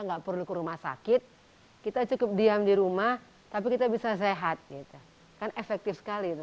nggak perlu ke rumah sakit kita cukup diam di rumah tapi kita bisa sehat gitu kan efektif sekali itu